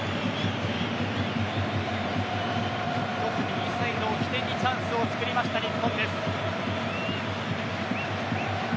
右サイドを起点にチャンスをつくりました日本です。